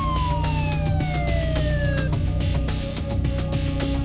anakku kemana ya allah